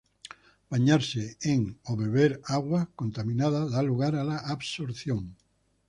Bañarse en o beber aguas contaminadas da lugar a la absorción.